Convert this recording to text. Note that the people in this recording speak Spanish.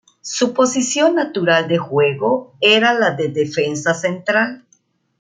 Su posición natural de juego era la de defensa central.